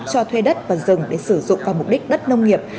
cho thuê đất và rừng để sử dụng vào mục đích đất nông nghiệp